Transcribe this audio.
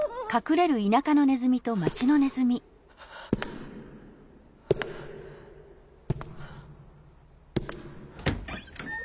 「はあはあはあ」。